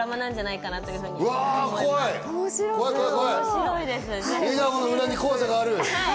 笑顔の裏に怖さがある。